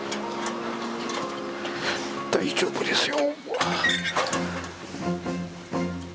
大丈夫ですよ。